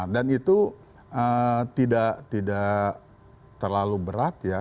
dan itu tidak terlalu berat ya